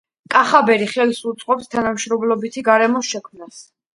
კახაბერი ხელს უწყობს თანამშრომლობითი გარემოს შექმნას